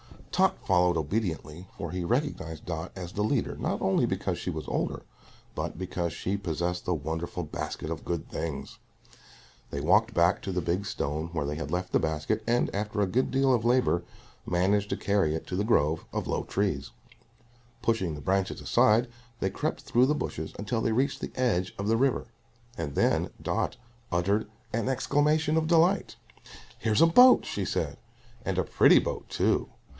Tot followed obediently, for he recognized Dot as the leader not only because she was older, but because she possessed the wonderful basket of good things. They walked back to the big stone where they had left the basket, and after a good deal of labor managed to carry it to the grove of low trees. Pushing the branches aside, they crept through the bushes until they reached the edge of the river, and then Dot uttered an exclamation of delight. "Here's a boat!" she said. "And a pretty boat, too.